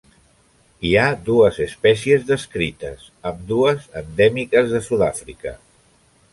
Hi ha dues espècies descrites, ambdues endèmiques de Sud-àfrica.